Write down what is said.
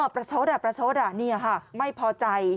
อ๋อประโชด่ะนี่ค่ะไม่พอใจ